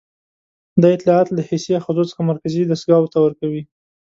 دا اطلاعات له حسي آخذو څخه مرکزي عصبي دستګاه ته ورکوي.